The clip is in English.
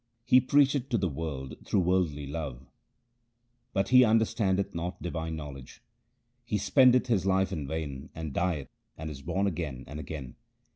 He preacheth to the world through worldly love, but he understandeth not divine knowledge. He spendeth his life in vain, and dieth and is born again and again.